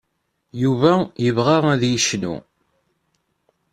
Yuba yebɣa ad yecnu.